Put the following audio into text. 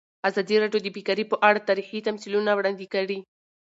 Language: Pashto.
ازادي راډیو د بیکاري په اړه تاریخي تمثیلونه وړاندې کړي.